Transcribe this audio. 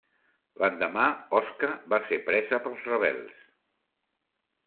L'endemà Osca va ser presa pels rebels.